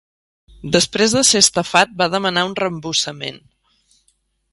Després de ser estafat, va demanar un reembossament.